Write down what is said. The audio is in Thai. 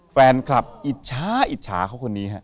แฟนคลับอิจฉาอิจฉาเขาคนนี้ฮะ